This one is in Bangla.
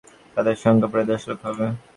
তাঁদের সংখ্যা প্রায় দশ লক্ষ হবে।